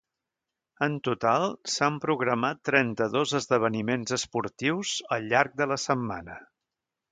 En total s’han programat trenta-dos esdeveniments esportius al llarg de la setmana.